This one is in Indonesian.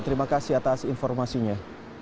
terima kasih atas informasinya